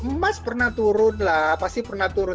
emas pernah turun lah pasti pernah turun